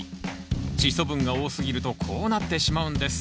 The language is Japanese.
チッ素分が多すぎるとこうなってしまうんです。